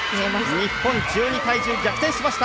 日本、１２対１０逆転しました！